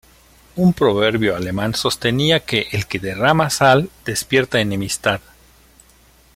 Un proverbio alemán sostenía que "el que derrama sal despierta enemistad".